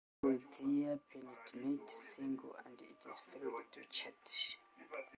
It was their penultimate single and it failed to chart.